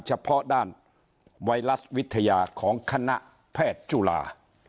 เฉพาะด้านไวรัสวิทยาของคณะแพทย์จุฬา